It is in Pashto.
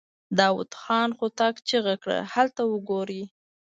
داوود خان هوتک چيغه کړه! هلته وګورئ!